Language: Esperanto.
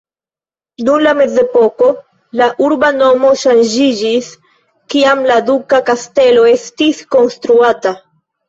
Dum la mezepoko la urba nomo ŝanĝiĝis, kiam la duka kastelo estis konstruata.